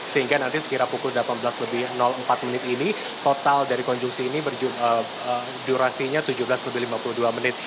sehingga nanti sekira pukul delapan belas lebih empat menit ini total dari konjungsi ini durasinya tujuh belas lebih lima puluh dua menit